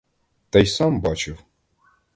Та й сам бачив.